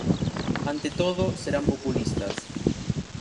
Ante todo, serán populistas.